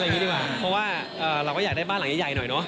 ดีกว่าเพราะว่าเราก็อยากได้บ้านหลังใหญ่หน่อยเนาะ